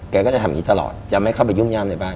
ก็จะทำอย่างนี้ตลอดจะไม่เข้าไปยุ่มย่ามในบ้าน